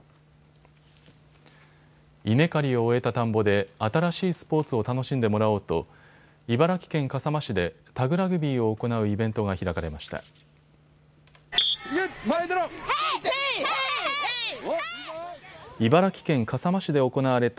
稲刈りを終えた田んぼで新しいスポーツを楽しんでもらおうと茨城県笠間市でタグラグビーを行うイベントが開かれました。